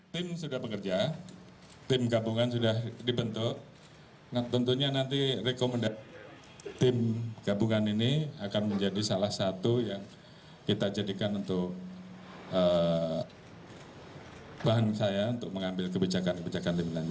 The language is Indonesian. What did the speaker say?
tim sudah bekerja tim gabungan sudah dibentuk